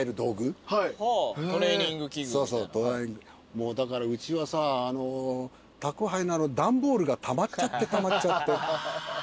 もうだからうちはさあの宅配の段ボールがたまっちゃってたまっちゃって。